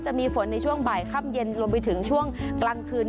จะมีฝนในช่วงบ่ายค่ำเย็นรวมไปถึงช่วงกลางคืน